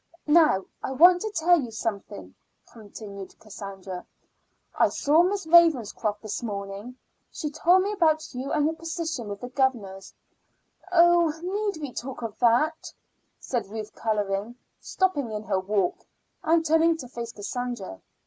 "Now I want to tell you something," continued Cassandra. "I saw Miss Ravenscroft this morning. She told me about you and your position with the governors." "Oh, need we talk of that?" said Ruth coloring, stopping in her walk, and turning to face Cassandra.